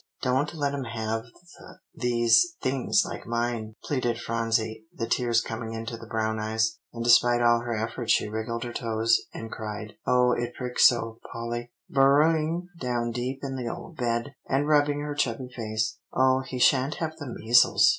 "Don't let him have th these things like mine?" pleaded Phronsie, the tears coming into the brown eyes. And despite all her efforts, she wriggled her toes, and cried, "Oh, it pricks so, Polly," burrowing down deep in the old bed, and rubbing her chubby face. "Oh, he sha'n't have the measles!"